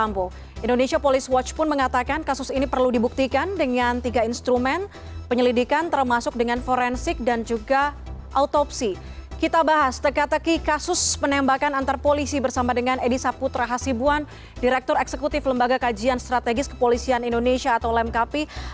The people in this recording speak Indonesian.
bersama dengan edi saputra hasibuan direktur eksekutif lembaga kajian strategis kepolisian indonesia atau lemkapi